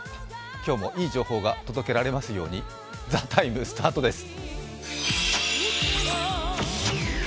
今日もいい情報が届けられますように、「ＴＨＥＴＩＭＥ，」スタートです。